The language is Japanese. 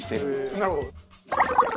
なるほど。